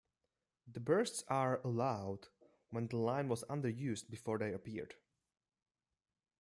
The bursts are allowed when the line was under-used before they appeared.